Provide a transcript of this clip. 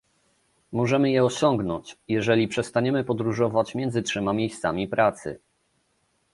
Możemy je osiągnąć, jeżeli przestaniemy podróżować między trzema miejscami pracy